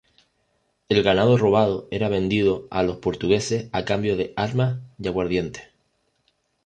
El ganado robado era vendido a los portugueses a cambio de armas y aguardiente.